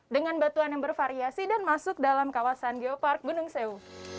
dengan batuan yang bervariasi dan masuk dalam kawasan geopark gunung sewu